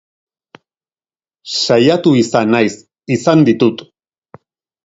Saiatu izan naiz, izan ditut.